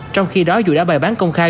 trong khi đó dù đã bài bán công khai